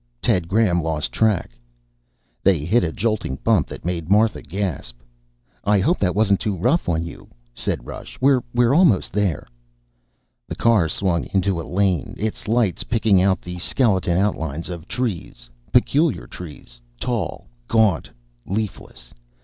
Ted Graham lost track. They hit a jolting bump that made Martha gasp. "I hope that wasn't too rough on you," said Rush. "We're almost there." The car swung into a lane, its lights picking out the skeleton outlines of trees: peculiar trees tall, gaunt, leafless.